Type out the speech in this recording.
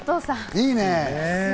いいね。